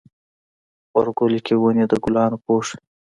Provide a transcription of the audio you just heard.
غبرګولی کې ونې د ګلانو پوښ وي.